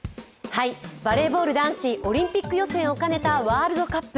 バレーボール男子、オリンピック予選を兼ねたワールドカップ。